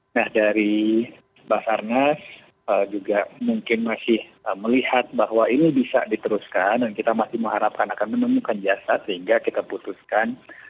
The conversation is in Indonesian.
nah dari basarnas juga mungkin masih melihat bahwa ini bisa diteruskan dan kita masih mengharapkan akan menemukan jasad sehingga kita putuskan